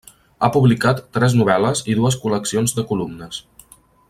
Ha publicat tres novel·les i dues col·leccions de columnes.